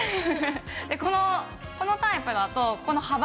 でこのタイプだとここの。